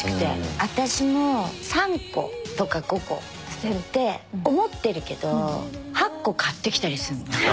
私も３個とか５個捨てて思ってるけど８個買ってきたりすんのよ。